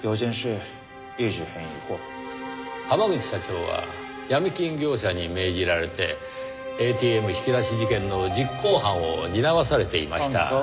濱口社長はヤミ金業者に命じられてＡＴＭ引き出し事件の実行犯を担わされていました。